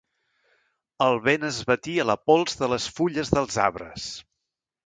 El vent esbatia la pols de les fulles dels arbres.